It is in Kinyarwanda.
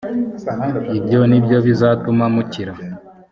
ibyo ni byo bizatuma mukira